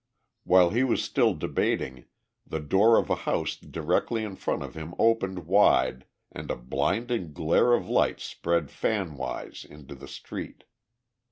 While he was still debating the door of a house directly in front of him opened wide and a blinding glare of light spread fanwise into the street.